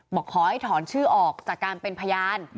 บอกขอให้ถอนชื่อออกจากการเป็นพยาน